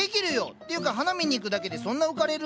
っていうか花見に行くだけでそんな浮かれる？